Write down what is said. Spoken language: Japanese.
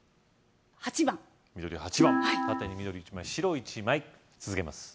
８番緑８番縦に緑１枚・白１枚続けます